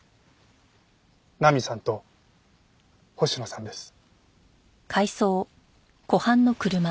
菜美さんと星野さんです。